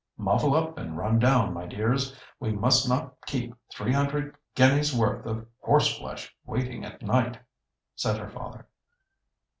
"Muffle up and run down, my dears! We must not keep three hundred guineas' worth of horseflesh waiting at night," said her father.